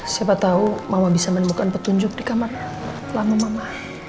siapa tahu mama bisa menemukan petunjuk di kamar lama mama